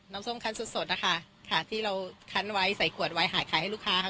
ส้มคันสดสดนะคะค่ะที่เราคั้นไว้ใส่ขวดไว้ขายให้ลูกค้าค่ะ